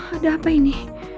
ada apa ini